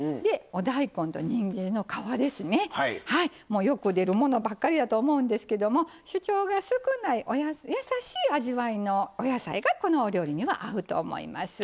もうよく出るものばっかりだと思うんですけども主張が少ない優しい味わいのお野菜がこのお料理には合うと思います。